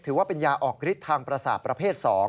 ว่าเป็นยาออกฤทธิ์ทางประสาทประเภท๒